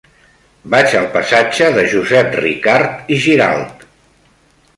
Vaig al passatge de Josep Ricart i Giralt.